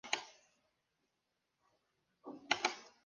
Se transmite por contacto directo entre animales.